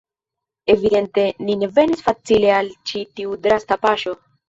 Evidente ni ne venis facile al ĉi tiu drasta paŝo.